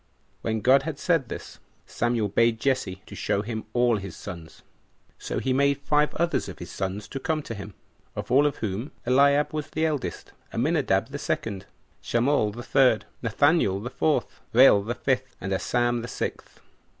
When God had said this, Samuel bade Jesse to show him all his sons. So he made five others of his sons to come to him; of all of whom Eliab was the eldest, Aminadab the second, Shammall the third, Nathaniel the fourth, Rael the fifth, and Asam the sixth.